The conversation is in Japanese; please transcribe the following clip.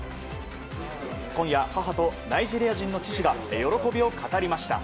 今夜、母とナイジェリア人の父が喜びを語りました。